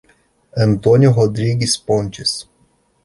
Antônio Rodrigues Pontes